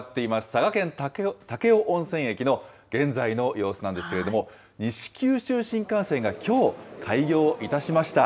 佐賀県武雄温泉駅の現在の様子なんですけれども、西九州新幹線がきょう、開業いたしました。